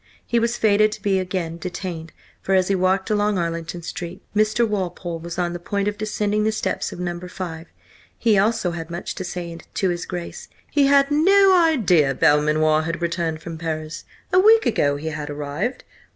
He was fated to be again detained, for as he walked along Arlington Street, Mr. Walpole was on the point of descending the steps of No. 5. He also had much to say to his Grace. He had no idea that Belmanoir had returned from Paris. A week ago he had arrived?